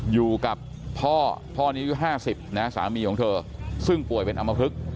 อยู่กับพ่อพ่อนี้อายุ๕๐นะสามีของเธอซึ่งป่วยเป็นอำมพลึก